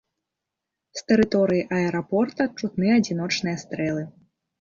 З тэрыторыі аэрапорта чутны адзіночныя стрэлы.